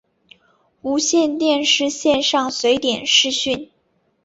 无线电视线上随点视讯